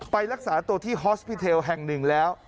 ไปรักษาตัวที่ฮอสพิเทลแห่งหนึ่งแล้ว